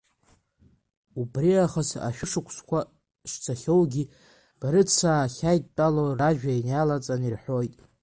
Убри аахыс ашәышықәсқәа шцахьоугьы, Барыцаа ахьааидтәало ражәа иалаҵан ирҳәоит.